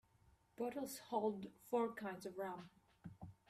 Bottles hold four kinds of rum.